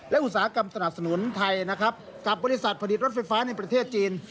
และอุตสาหกรรมสนับสนุนไทยนะครับกับบริษัทผลิตรถไฟฟ้าในประเทศจีน